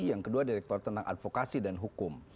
yang kedua direktur tentang advokasi dan hukum